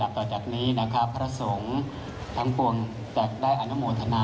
ถือว่าชีวิตที่ผ่านมายังมีความเสียหายแก่ตนและผู้อื่น